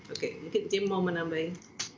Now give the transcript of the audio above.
oke mungkin dia mau menambahin